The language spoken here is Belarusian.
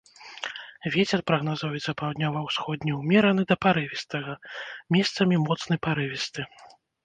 Вецер прагназуецца паўднёва-ўсходні ўмераны да парывістага, месцамі моцны парывісты.